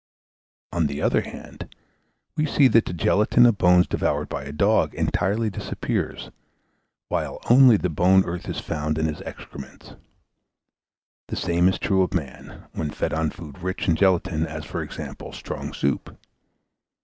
On the other hand, we see that the gelatine of bones devoured by a dog entirely disappears, while only the bone earth is found in his excrements. The same is true of man, when fed on food rich in gelatine, as, for example, strong soup.